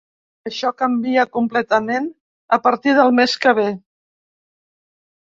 Això canvia completament a partir del mes que ve.